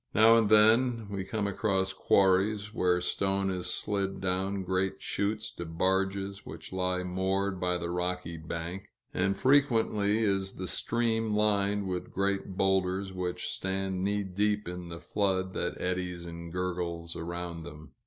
Now and then we come across quarries, where stone is slid down great chutes to barges which lie moored by the rocky bank; and frequently is the stream lined with great boulders, which stand knee deep in the flood that eddies and gurgles around them.